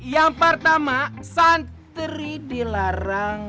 yang pertama santri dilarang